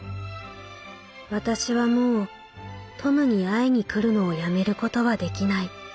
私はもうトムに会いにくるのをやめることはできない。